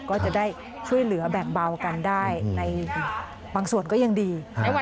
ก็จะได้ช่วยเหลือแบ่งเบากันได้ในบางส่วนก็ยังดี